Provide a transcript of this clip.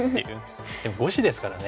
でも５子ですからね。